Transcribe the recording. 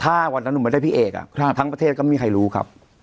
ถ้าวันนั้นหนูไม่ได้พี่เอกทั้งประเทศก็ไม่มีใครรู้ครับ